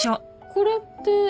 これって。